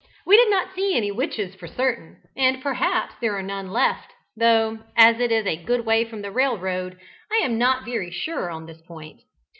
We did not see any witches for certain, and perhaps there are none left, though, as it is a good way from a railroad, I am not very sure on this point.